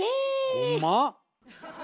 ほんま？